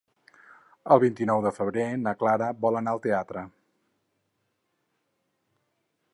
El vint-i-nou de febrer na Clara vol anar al teatre.